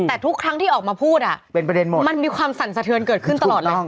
แต่ทุกครั้งที่ออกมาพูดมันมีความสั่นสะเทือนเกิดขึ้นตลอดเลย